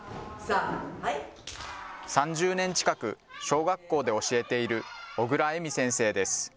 ３０年近く、小学校で教えている小椋惠美先生です。